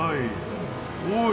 おい。